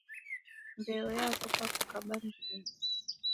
Mbeo yawoka kukaba mzinyi